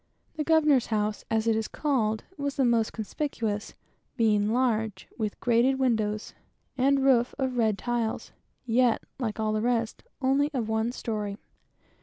The governor's house, as it is called, was the most conspicuous, being large, with grated windows, plastered walls, and roof of red tiles; yet, like all the rest, only of one story.